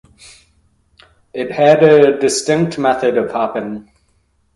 It had a distinct method of hopping.